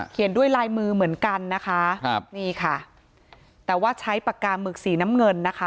ด้วยลายมือเหมือนกันนะคะครับนี่ค่ะแต่ว่าใช้ปากกาหมึกสีน้ำเงินนะคะ